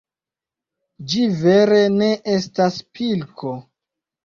Ĝi vere ne estas pilko.